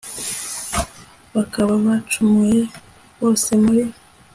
bakaba bacumuye. bose muri